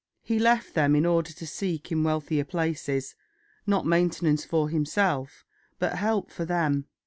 He left them in order to seek in wealthier places, not maintenance for himself, but help for them.